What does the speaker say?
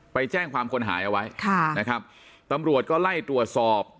ไปแจ้งความคนหายเอาไว้ค่ะนะครับตำรวจก็ไล่ตรวจสอบ